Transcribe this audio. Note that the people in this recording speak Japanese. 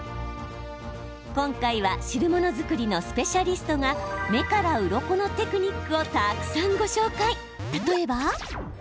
今回は、汁物作りのスペシャリストが目からうろこのテクニックをたくさんご紹介。